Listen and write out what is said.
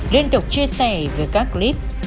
liên tục chia sẻ về các clip